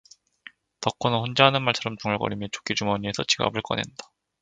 덕호는 혼자 하는 말처럼 중얼거리며 조끼 주머니에서 지갑을 꺼낸다.